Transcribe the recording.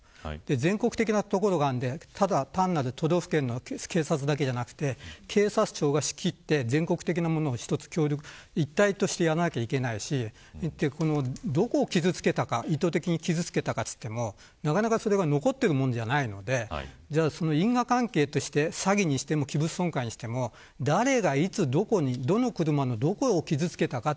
全国的なところで、ただ単なる都道府県の警察だけではなく警察庁が仕切って全国的なものを一つ一体としてやらないといけないしどこを意図的に傷付けたかといってもそれが残っているものではないので因果関係として、詐欺にしても器物損壊にしても誰がいつ、どこで、どの車のどこを傷付けたのか。